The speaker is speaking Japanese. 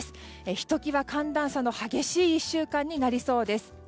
ひときわ寒暖差の激しい１週間になりそうです。